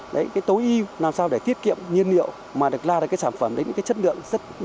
đấy cái tối ưu làm sao để tiết kiệm nhiên liệu mà được ra được cái sản phẩm đến cái chất lượng